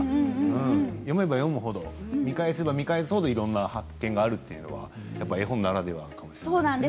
読めば読むほど見返せば見返すほどいろいろな発見があるのは絵本ならではですね。